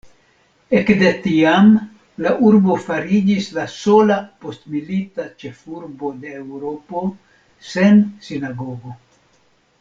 Ekde tiam, la urbo fariĝis la sola postmilita ĉefurbo de Eŭropo sen sinagogo.